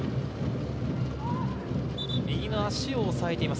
右の足を押さえています。